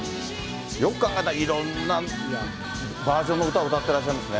よく考えたらいろんなバージョンの歌、歌ってらっしゃいます